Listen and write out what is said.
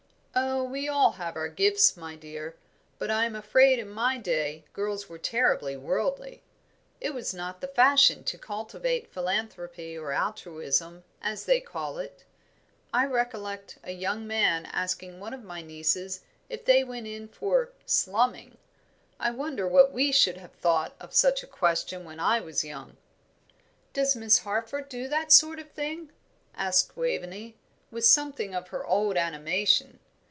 "Oh, we all have our gifts, my dear, but I am afraid in my day girls were terribly worldly; it was not the fashion to cultivate philanthropy or altruism, as they call it. I recollect a young man asking one of my nieces if they went in for 'slumming.' I wonder what we should have thought of such a question when I was young." "Does Miss Harford do that sort of thing?" asked Waveney, with something of her old animation.